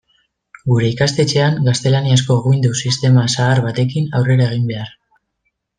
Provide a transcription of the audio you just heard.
Gure ikastetxean gaztelaniazko Windows sistema zahar batekin aurrera egin behar.